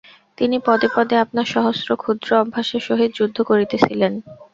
তিনি পদে পদে আপনার সহস্র ক্ষুদ্র অভ্যাসের সহিত যুদ্ধ করিতেছিলেন।